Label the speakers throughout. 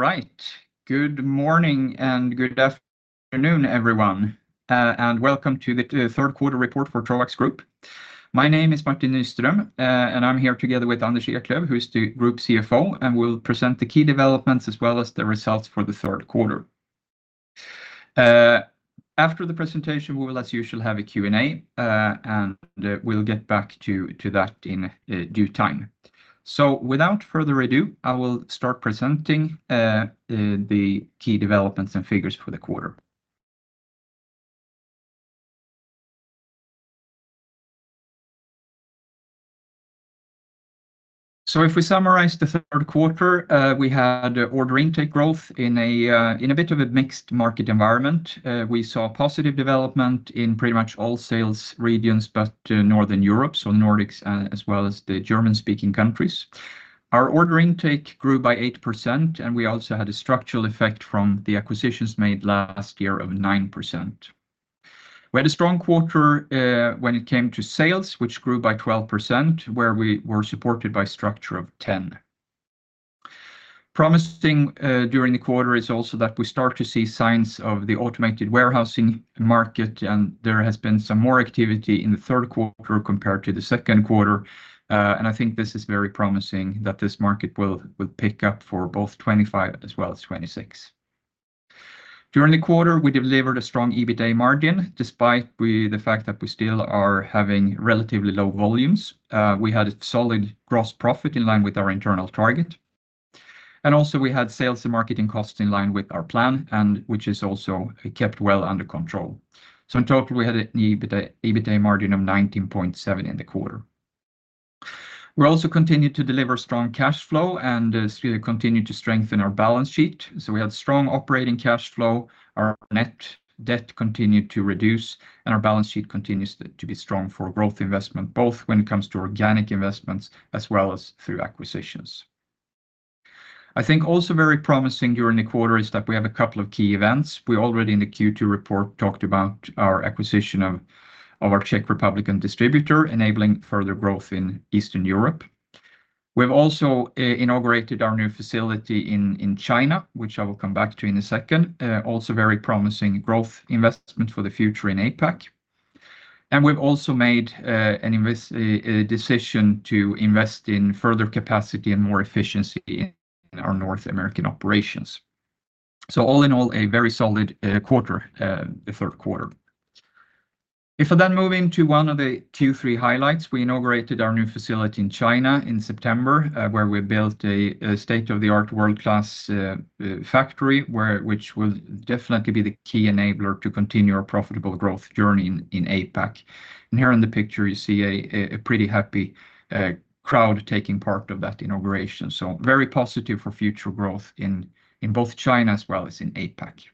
Speaker 1: All right. Good morning and good afternoon, everyone, and welcome to the third quarter report for Troax Group. My name is Martin Nyström, and I'm here together with Anders Eklöf, who is the Group CFO, and we'll present the key developments as well as the results for the third quarter. After the presentation, we will, as usual, have a Q&A, and we'll get back to that in due time. So, without further ado, I will start presenting the key developments and figures for the quarter. So, if we summarize the third quarter, we had order intake growth in a bit of a mixed market environment. We saw positive development in pretty much all sales regions but Northern Europe, so Nordics, as well as the German-speaking countries. Our order intake grew by 8%, and we also had a structural effect from the acquisitions made last year of 9%. We had a strong quarter when it came to sales, which grew by 12%, where we were supported by organic growth of 10%. Promising during the quarter is also that we start to see signs of the automated warehousing market, and there has been some more activity in the third quarter compared to the second quarter. I think this is very promising that this market will pick up for both 2025 as well as 2026. During the quarter, we delivered a strong EBITDA margin despite the fact that we still are having relatively low volumes. We had a solid gross profit in line with our internal target. Also, we had sales and marketing costs in line with our plan, which is also kept well under control. In total, we had an EBITDA margin of 19.7% in the quarter. We also continued to deliver strong cash flow and continued to strengthen our balance sheet, so we had strong operating cash flow, our net debt continued to reduce, and our balance sheet continues to be strong for growth investment, both when it comes to organic investments as well as through acquisitions. I think also very promising during the quarter is that we have a couple of key events. We already, in the Q2 report, talked about our acquisition of our Czech Republic distributor, enabling further growth in Eastern Europe. We've also inaugurated our new facility in China, which I will come back to in a second. Also, very promising growth investment for the future in APAC, and we've also made a decision to invest in further capacity and more efficiency in our North American operations, so all in all, a very solid quarter, the third quarter. If I then move into one of the Q3 highlights, we inaugurated our new facility in China in September, where we built a state-of-the-art, world-class factory, which will definitely be the key enabler to continue our profitable growth journey in APAC, and here in the picture, you see a pretty happy crowd taking part of that inauguration, so very positive for future growth in both China as well as in APAC.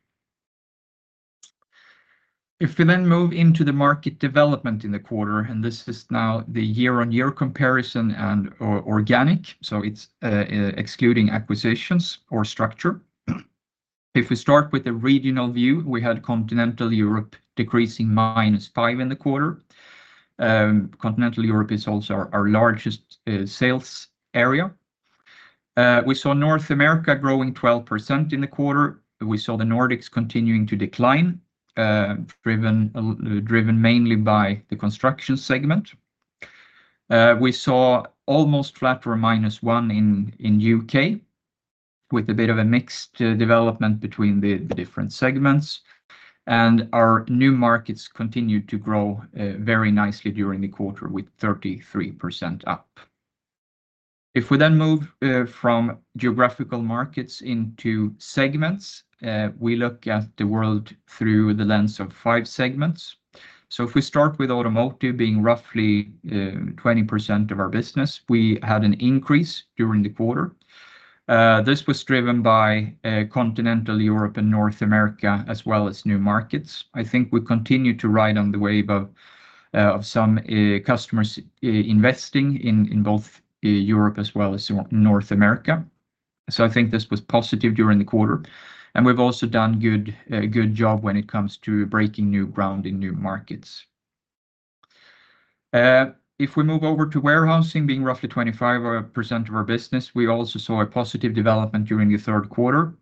Speaker 1: If we then move into the market development in the quarter, and this is now the year-on-year comparison and organic, so it's excluding acquisitions or structure. If we start with the regional view, we had Continental Europe decreasing -5% in the quarter. Continental Europe is also our largest sales area. We saw North America growing 12% in the quarter. We saw the Nordics continuing to decline, driven mainly by the Construction segment. We saw almost flat or minus one in the U.K., with a bit of a mixed development between the different segments. And our New Markets continued to grow very nicely during the quarter, with 33% up. If we then move from geographical markets into segments, we look at the world through the lens of five segments. So, if we start with Automotive being roughly 20% of our business, we had an increase during the quarter. This was driven by Continental Europe and North America as well as New Markets. I think we continue to ride on the wave of some customers investing in both Europe as well as North America. So, I think this was positive during the quarter. And we've also done a good job when it comes to breaking new ground in New Markets. If we move over to warehousing, being roughly 25% of our business, we also saw a positive development during the third quarter.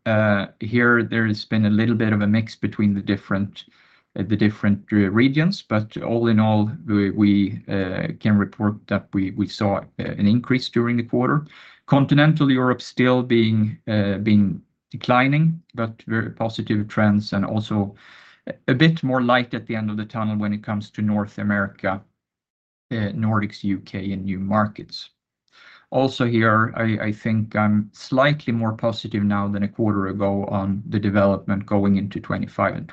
Speaker 1: Here, there has been a little bit of a mix between the different regions, but all in all, we can report that we saw an increase during the quarter. Continental Europe still being declining, but very positive trends and also a bit more light at the end of the tunnel when it comes to North America, Nordics, U.K., and new markets. Also, here, I think I'm slightly more positive now than a quarter ago on the development going into 2025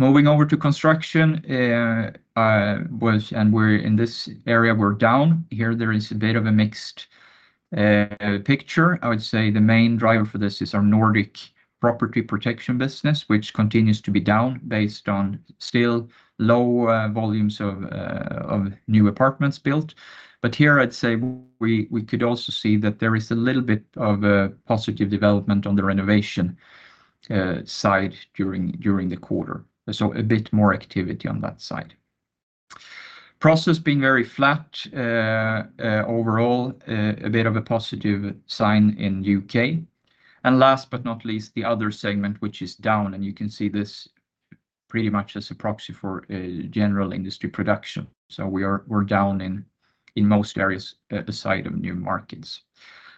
Speaker 1: and 2026. Moving over to Construction, and we're in this area we're down. Here, there is a bit of a mixed picture. I would say the main driver for this is our Nordics Property Protection business, which continues to be down based on still low volumes of new apartments built. But here, I'd say we could also see that there is a little bit of a positive development on the renovation side during the quarter. So, a bit more activity on that side. Process being very flat overall, a bit of a positive sign in the U.K. And last but not least, the other segment, which is down, and you can see this pretty much as a proxy for general industry production. So, we're down in most areas aside of new markets.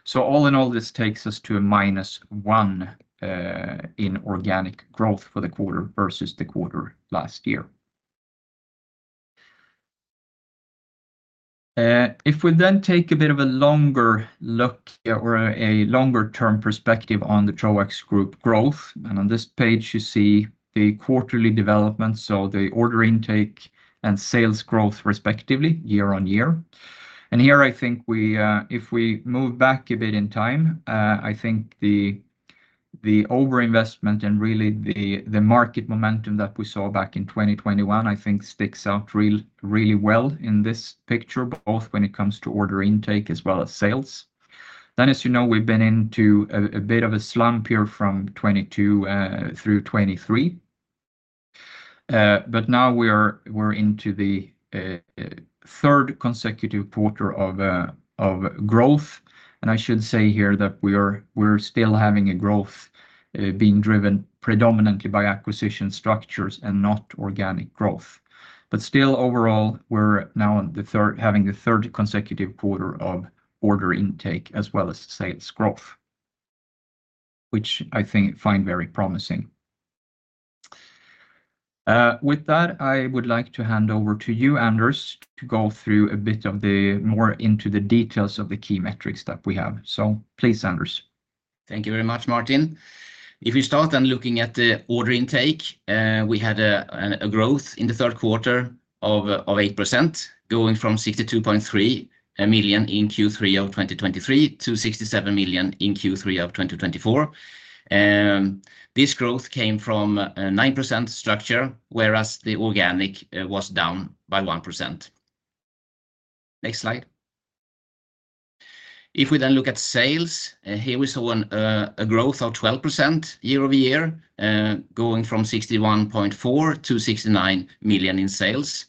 Speaker 1: So, all in all, this takes us to -1% organic growth for the quarter versus the quarter last year. If we then take a bit of a longer look or a longer-term perspective on the Troax Group growth, and on this page, you see the quarterly development, so the order intake and sales growth respectively, year on year, and here I think if we move back a bit in time, I think the overinvestment and really the market momentum that we saw back in 2021, I think, sticks out really well in this picture, both when it comes to order intake as well as sales, then as you know, we've been into a bit of a slump here from 2022 through 2023, but now we're into the third consecutive quarter of growth, and I should say here that we're still having a growth being driven predominantly by acquisition structures and not organic growth. But still, overall, we're now having the third consecutive quarter of order intake as well as sales growth, which I find very promising. With that, I would like to hand over to you, Anders, to go through a bit more into the details of the key metrics that we have. So, please, Anders.
Speaker 2: Thank you very much, Martin. If we start then looking at the order intake, we had a growth in the third quarter of 8%, going from 62.3 million in Q3 of 2023 to 67 million in Q3 of 2024. This growth came from a 9% structure, whereas the organic was down by 1%. Next slide. If we then look at sales, here we saw a growth of 12% year-over-year, going from 61.4 million to 69 million in sales.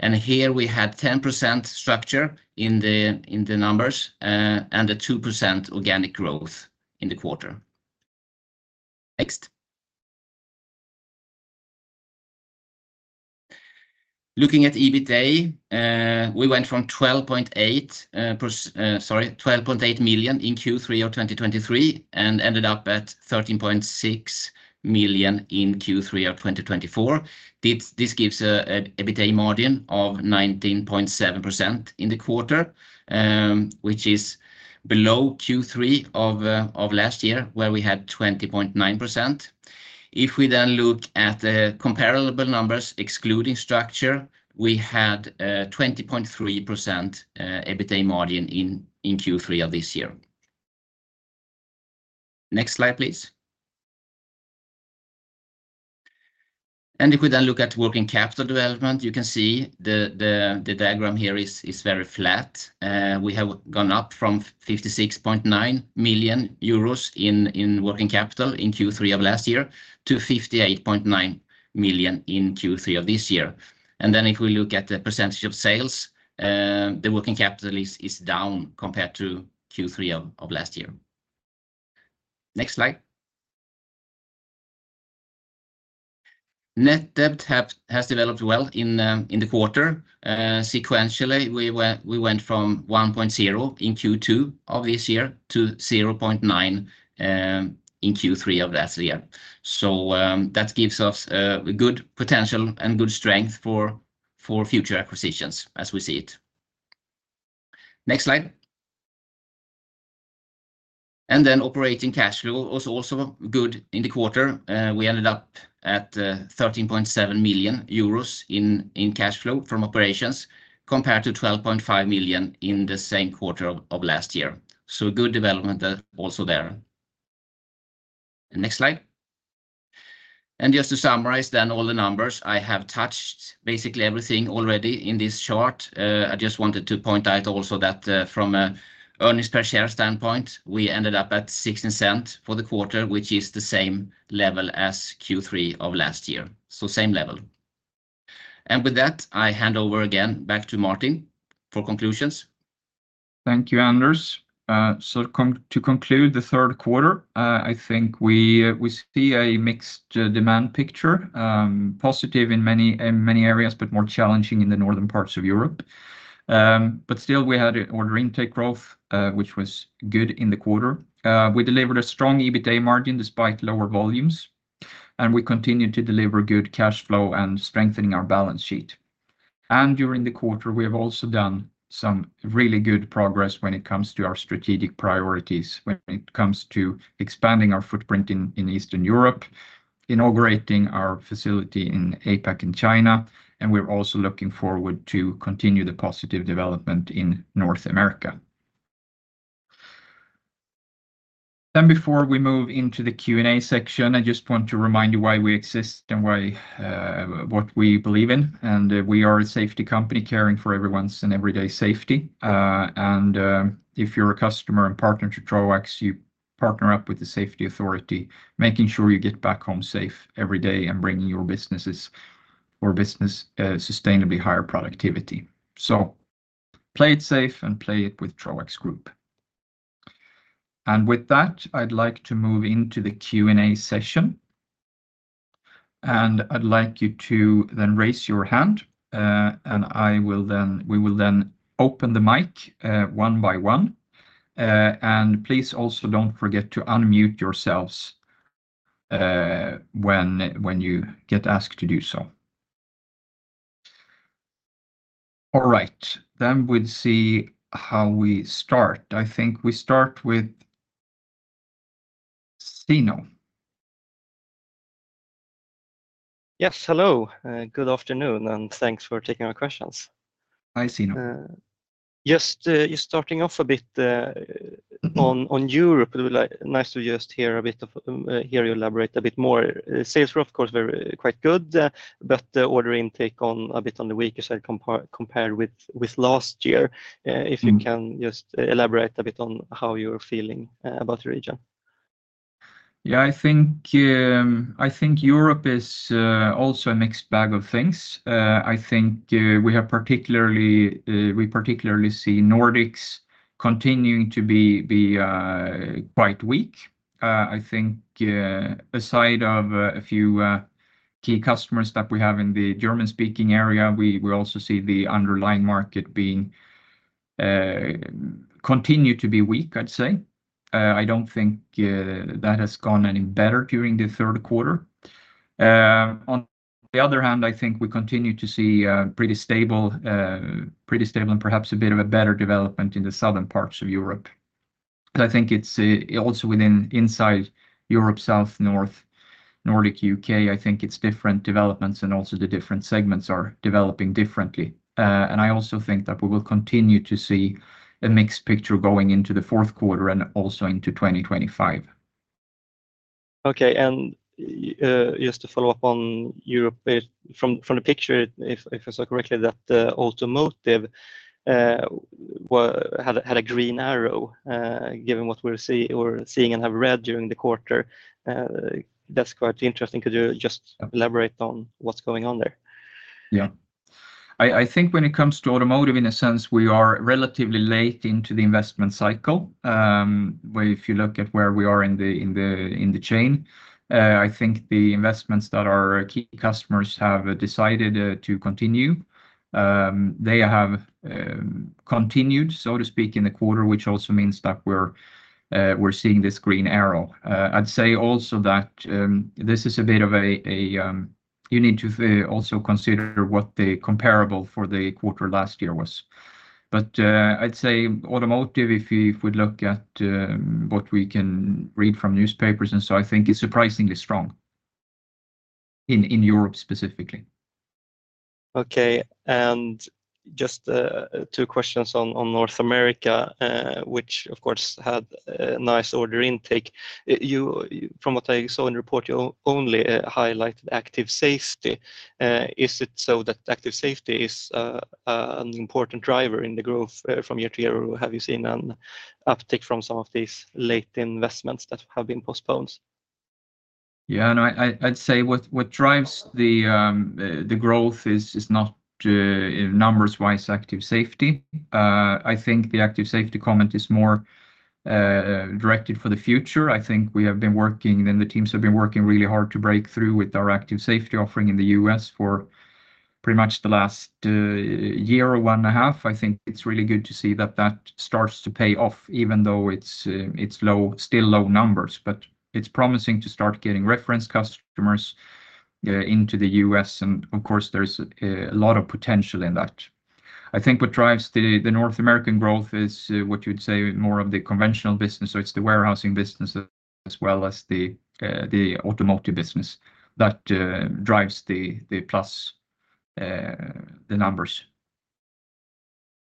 Speaker 2: And here we had 10% structure in the numbers and a 2% organic growth in the quarter. Next. Looking at EBITDA, we went from 12.8 million in Q3 of 2023 and ended up at 13.6 million in Q3 of 2024. This gives an EBITDA margin of 19.7% in the quarter, which is below Q3 of last year, where we had 20.9%. If we then look at the comparable numbers, excluding structure, we had a 20.3% EBITDA margin in Q3 of this year. Next slide, please. And if we then look at working capital development, you can see the diagram here is very flat. We have gone up from 56.9 million euros in working capital in Q3 of last year to 58.9 million EUR in Q3 of this year. And then if we look at the percentage of sales, the working capital is down compared to Q3 of last year. Next slide. Net debt has developed well in the quarter. Sequentially, we went from 1.0 in Q2 of this year to 0.9 in Q3 of last year. So, that gives us a good potential and good strength for future acquisitions, as we see it. Next slide. And then operating cash flow was also good in the quarter. We ended up at 13.7 million euros in cash flow from operations compared to 12.5 million in the same quarter of last year. So, good development also there. Next slide. And just to summarize then all the numbers, I have touched basically everything already in this chart. I just wanted to point out also that from an earnings per share standpoint, we ended up at 0.16 for the quarter, which is the same level as Q3 of last year. So, same level. And with that, I hand over again back to Martin for conclusions.
Speaker 1: Thank you, Anders, so to conclude the third quarter, I think we see a mixed demand picture, positive in many areas, but more challenging in the northern parts of Europe, but still, we had order intake growth, which was good in the quarter. We delivered a strong EBITDA margin despite lower volumes, and we continue to deliver good cash flow and strengthening our balance sheet, and during the quarter, we have also done some really good progress when it comes to our strategic priorities, when it comes to expanding our footprint in Eastern Europe, inaugurating our facility in APAC in China, and we're also looking forward to continue the positive development in North America, then, before we move into the Q&A section, I just want to remind you = why we exist and what we believe in, and we are a safety company caring for everyone's and everyday safety. And if you're a customer and partner to Troax, you partner up with the safety authority, making sure you get back home safe every day and bringing your businesses or business sustainably higher productivity. So, play it safe and play it with Troax Group. And with that, I'd like to move into the Q&A session. And I'd like you to then raise your hand. And we will then open the mic one by one. And please also don't forget to unmute yourselves when you get asked to do so. All right. Then we'd see how we start. I think we start with [Sino]. Yes, hello. Good afternoon, and thanks for taking our questions. Hi, Sino. Just starting off a bit on Europe, it would be nice to just hear you elaborate a bit more. Sales were, of course, quite good, but the order intake a bit on the weaker side compared with last year. If you can just elaborate a bit on how you're feeling about the region. Yeah, I think Europe is also a mixed bag of things. I think we particularly see Nordics continuing to be quite weak. I think aside of a few key customers that we have in the German-speaking area, we also see the underlying market continue to be weak, I'd say. I don't think that has gone any better during the third quarter. On the other hand, I think we continue to see pretty stable and perhaps a bit of a better development in the southern parts of Europe. I think it's also within inside Europe, south, north, Nordic, U.K., I think it's different developments and also the different segments are developing differently, and I also think that we will continue to see a mixed picture going into the fourth quarter and also into 2025. Okay. And just to follow up on Europe, from the picture, if I saw correctly, that automotive had a green arrow given what we're seeing and have read during the quarter. That's quite interesting. Could you just elaborate on what's going on there? Yeah. I think when it comes to automotive, in a sense, we are relatively late into the investment cycle. If you look at where we are in the chain, I think the investments that our key customers have decided to continue, they have continued, so to speak, in the quarter, which also means that we're seeing this green arrow. I'd say also that this is a bit of a you need to also consider what the comparable for the quarter last year was. But I'd say automotive, if we look at what we can read from newspapers and so on, I think it's surprisingly strong in Europe specifically. Okay. And just two questions on North America, which, of course, had a nice order intake. From what I saw in the report, you only highlighted Active Safety. Is it so that Active Safety is an important driver in the growth from year to year? Or have you seen an uptick from some of these late investments that have been postponed? Yeah, and I'd say what drives the growth is not numbers-wise Active Safety. I think the Active Safety comment is more directed for the future. I think we have been working, and the teams have been working really hard to break through with our Active Safety offering in the U.S. for pretty much the last year or one and a half. I think it's really good to see that that starts to pay off, even though it's still low numbers. But it's promising to start getting reference customers into the U.S. And of course, there's a lot of potential in that. I think what drives the North American growth is what you'd say is more of the conventional business. So it's the warehousing business as well as the automotive business that drives the plus the numbers.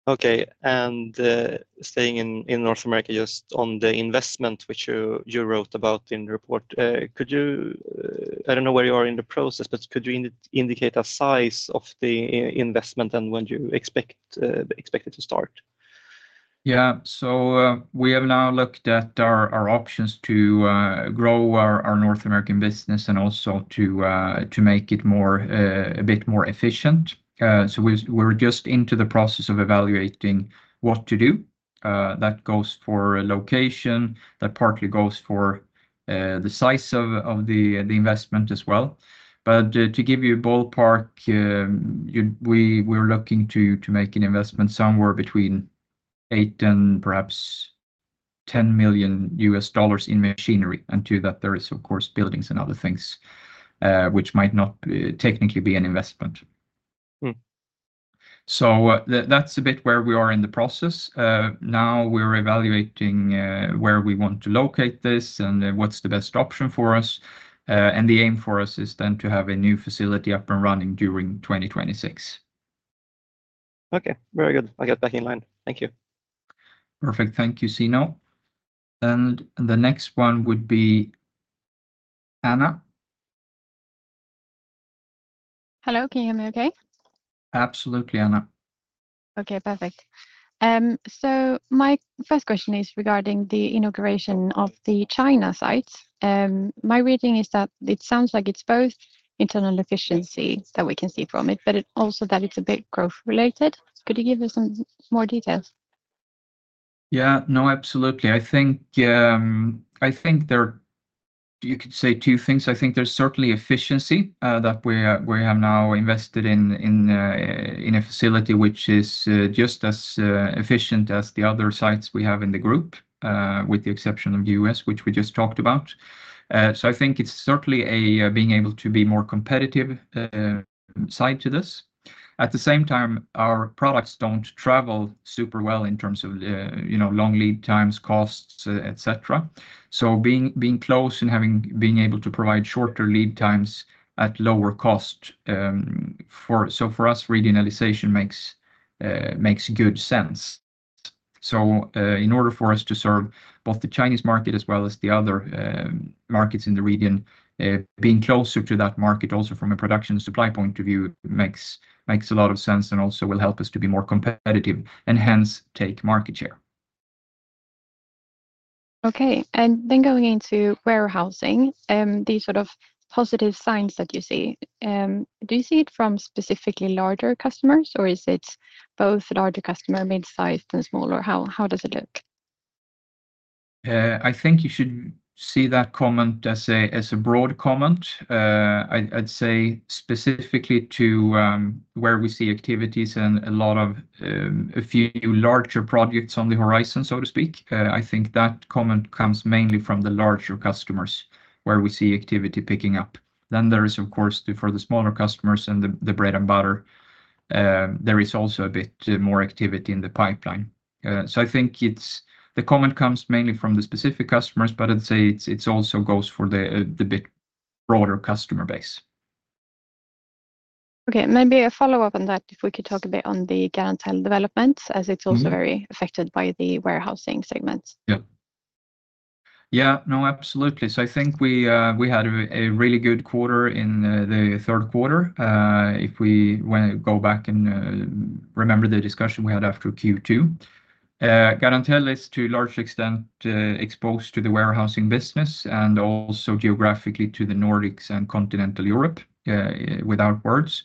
Speaker 1: Okay. And staying in North America, just on the investment, which you wrote about in the report, could you, I don't know where you are in the process, but could you indicate a size of the investment and when you expect it to start? Yeah. So we have now looked at our options to grow our North American business and also to make it a bit more efficient. So we're just into the process of evaluating what to do. That goes for location. That partly goes for the size of the investment as well. But to give you a ballpark, we're looking to make an investment somewhere between $8 million and perhaps $10 million in machinery. And to that, there is, of course, buildings and other things which might not technically be an investment. So that's a bit where we are in the process. Now, we're evaluating where we want to locate this and what's the best option for us. And the aim for us is then to have a new facility up and running during 2026. Okay. Very good. I got back in line. Thank you. Perfect. Thank you, Sino. And the next one would be Anna. Hello. Can you hear me okay? Absolutely, Anna. Okay. Perfect. So my first question is regarding the inauguration of the China site. My reading is that it sounds like it's both internal efficiency that we can see from it, but also that it's a bit growth-related. Could you give us some more details? Yeah. No, absolutely. I think there are, you could say, two things. I think there's certainly efficiency that we have now invested in a facility, which is just as efficient as the other sites we have in the group, with the exception of the U.S., which we just talked about. So I think it's certainly being able to be a more competitive site to this. At the same time, our products don't travel super well in terms of long lead times, costs, etc. So being close and being able to provide shorter lead times at lower cost, so for us, regionalization makes good sense. So, in order for us to serve both the Chinese market as well as the other markets in the region, being closer to that market also from a production supply point of view makes a lot of sense and also will help us to be more competitive and hence take market share. Okay, and then going into warehousing, these sort of positive signs that you see, do you see it from specifically larger customers, or is it both larger customers, mid-sized, and smaller? How does it look? I think you should see that comment as a broad comment. I'd say specifically to where we see activities and a few larger projects on the horizon, so to speak. I think that comment comes mainly from the larger customers, where we see activity picking up. Then there is, of course, for the smaller customers and the bread and butter, there is also a bit more activity in the pipeline. So I think the comment comes mainly from the specific customers, but I'd say it also goes for a bit broader customer base. Okay. Maybe a follow-up on that, if we could talk a bit on the current developments, as it's also very affected by the Warehousing segment. Yeah. Yeah. No, absolutely. So I think we had a really good quarter in the third quarter. If we go back and remember the discussion we had after Q2, Garantell is to a large extent exposed to the warehousing business and also geographically to the Nordics and Continental Europe without words.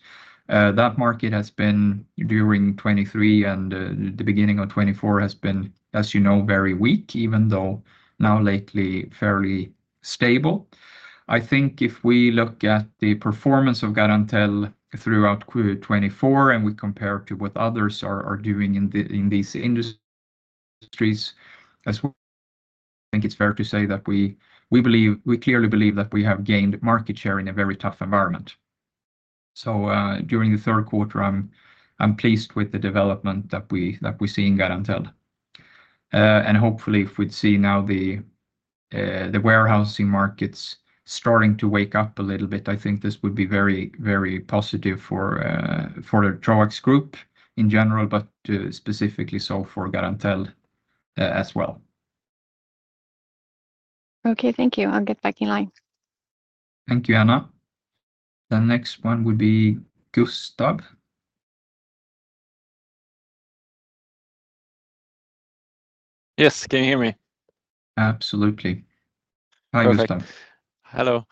Speaker 1: That market has been during 2023 and the beginning of 2024, as you know, very weak, even though now lately fairly stable. I think if we look at the performance of Garantell throughout 2024 and we compare to what others are doing in these industries, I think it's fair to say that we clearly believe that we have gained market share in a very tough environment. So during the third quarter, I'm pleased with the development that we see in Garantell. Hopefully, if we'd see now the warehousing markets starting to wake up a little bit, I think this would be very, very positive for the Troax Group in general, but specifically so for Garantell as well. Okay. Thank you. I'll get back in line. Thank you, Anna. The next one would be Gustav. Yes. Can you hear me? Absolutely. Hi, Gustav. Hello.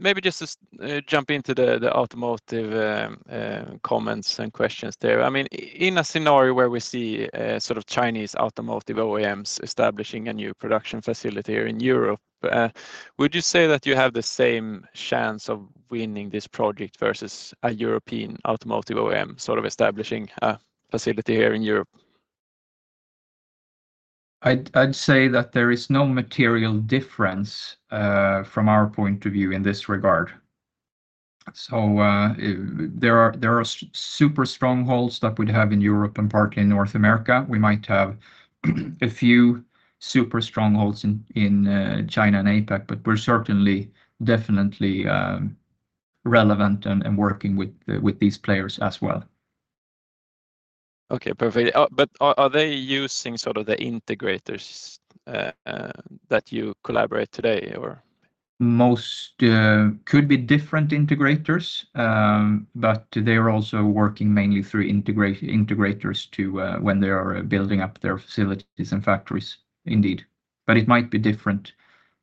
Speaker 1: Maybe just to jump into the automotive comments and questions there. I mean, in a scenario where we see sort of Chinese automotive OEMs establishing a new production facility here in Europe, would you say that you have the same chance of winning this project versus a European automotive OEM sort of establishing a facility here in Europe? I'd say that there is no material difference from our point of view in this regard. So there are super strongholds that we'd have in Europe and partly in North America. We might have a few super strongholds in China and APAC, but we're certainly definitely relevant and working with these players as well. Okay. Perfect. But are they using sort of the integrators that you collaborate today, or? Most could be different integrators, but they're also working mainly through integrators when they are building up their facilities and factories indeed. But it might be different.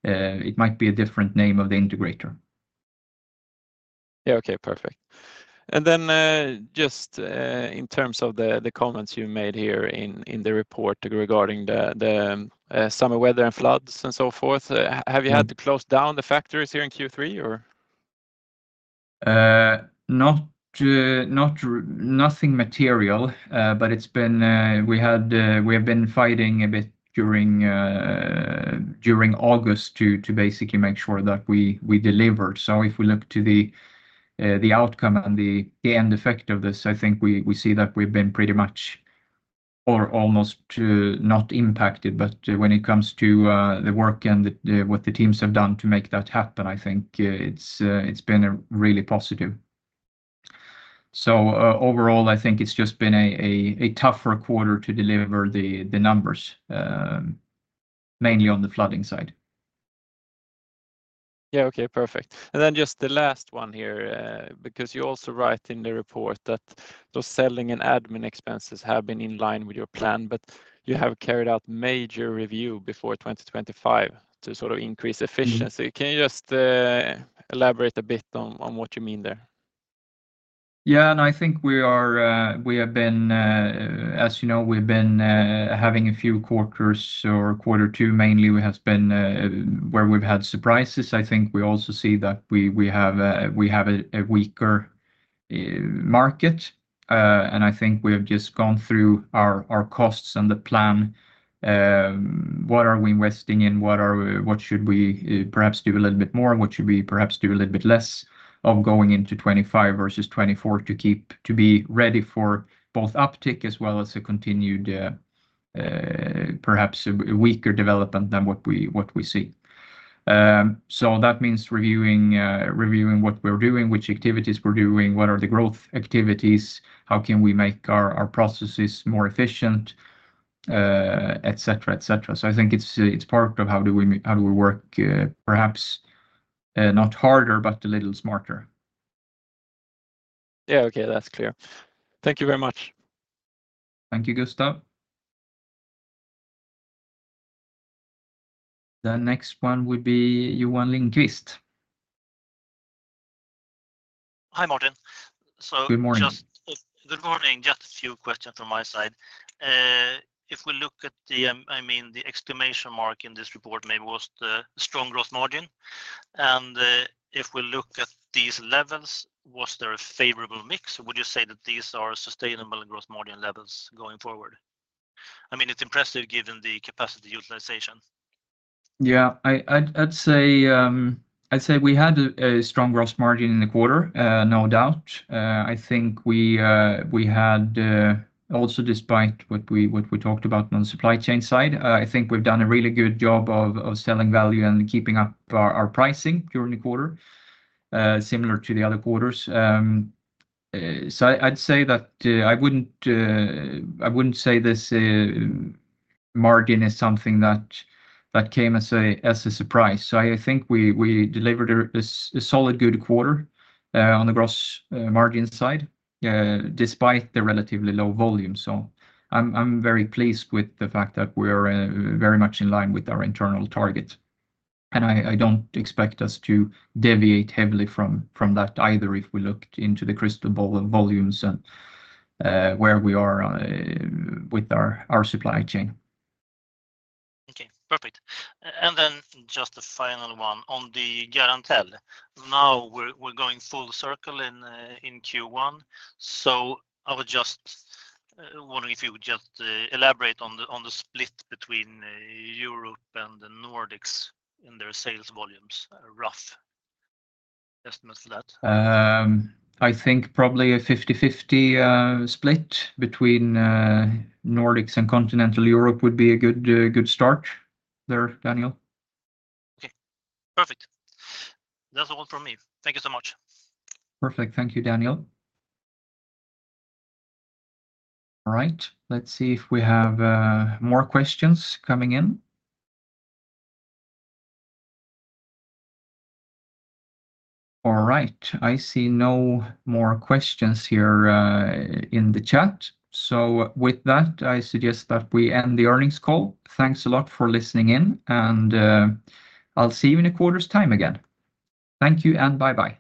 Speaker 1: It might be a different name of the integrator. Yeah. Okay. Perfect. And then just in terms of the comments you made here in the report regarding the summer weather and floods and so forth, have you had to close down the factories here in Q3, or? Nothing material, but we have been fighting a bit during August to basically make sure that we delivered. So if we look to the outcome and the end effect of this, I think we see that we've been pretty much or almost not impacted. But when it comes to the work and what the teams have done to make that happen, I think it's been really positive. So overall, I think it's just been a tougher quarter to deliver the numbers, mainly on the flooding side. Yeah. Okay. Perfect. And then just the last one here, because you also write in the report that those selling and admin expenses have been in line with your plan, but you have carried out major review before 2025 to sort of increase efficiency. Can you just elaborate a bit on what you mean there? Yeah, and I think we have been, as you know, we've been having a few quarters or quarter two mainly where we've had surprises. I think we also see that we have a weaker market, and I think we have just gone through our costs and the plan, what are we investing in, what should we perhaps do a little bit more, what should we perhaps do a little bit less of going into 2025 versus 2024 to be ready for both uptick as well as a continued, perhaps a weaker development than what we see, so that means reviewing what we're doing, which activities we're doing, what are the growth activities, how can we make our processes more efficient, etc., etc., so I think it's part of how do we work, perhaps not harder, but a little smarter. Yeah. Okay. That's clear. Thank you very much. Thank you, Gustav. The next one would be [Yuan Lingqist]. Hi, Martin. So. Good morning. Good morning. Just a few questions from my side. If we look at the, I mean, the exclamation mark in this report, maybe was the strong gross margin. If we look at these levels, was there a favorable mix? Would you say that these are sustainable gross margin levels going forward? I mean, it's impressive given the capacity utilization. Yeah. I'd say we had a strong growth margin in the quarter, no doubt. I think we had also, despite what we talked about on the supply chain side, I think we've done a really good job of selling value and keeping up our pricing during the quarter, similar to the other quarters. So I'd say that I wouldn't say this margin is something that came as a surprise. So I think we delivered a solid, good quarter on the gross margin side, despite the relatively low volume. So I'm very pleased with the fact that we're very much in line with our internal target. And I don't expect us to deviate heavily from that either if we looked into the crystal ball of volumes and where we are with our supply chain. Okay. Perfect. And then just a final one on the Garantell. Now we're going full circle in Q1. So I was just wondering if you would just elaborate on the split between Europe and the Nordics in their sales volumes, rough estimates for that? I think probably a 50/50 split between Nordics and Continental Europe would be a good start there, Daniel. Okay. Perfect. That's all from me. Thank you so much. Perfect. Thank you, Daniel. All right. Let's see if we have more questions coming in. All right. I see no more questions here in the chat. So with that, I suggest that we end the earnings call. Thanks a lot for listening in. And I'll see you in a quarter's time again. Thank you and bye-bye.